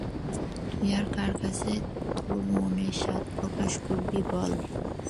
তুই আর কার কাছে তাের মনের সাধ প্রকাশ করিবি বল্?